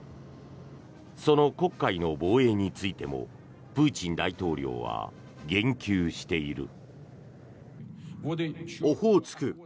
その黒海の防衛についてもプーチン大統領は言及している。